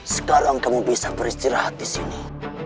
sekarang kamu bisa beristirahat disini